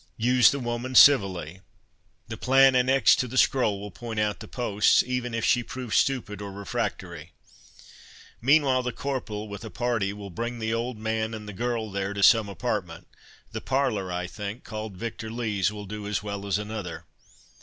Use the woman civilly. The plan annexed to the scroll will point out the posts, even if she prove stupid or refractory. Meanwhile, the corporal, with a party, will bring the old man and the girl there to some apartment—the parlour, I think, called Victor Lee's, will do as well as another.